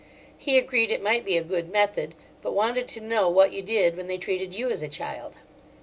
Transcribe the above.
He agreed it might be a good method, but wanted to know what you did when they treated you as a child.